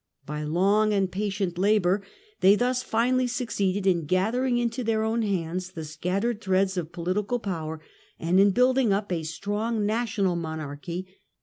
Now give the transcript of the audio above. By long and patient labour they thus finally succeeded in gathering into their own hands the scattered threads of political power, and in building up a strong national monarchy.